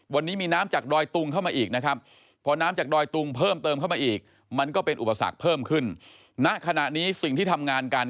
วันนี้มีน้ำจากดอยตุงเข้ามาอีกพอน้ำจากดอยตุงเพิ่มเติมเข้ามาอีก